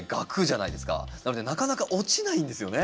なのでなかなか落ちないんですよね。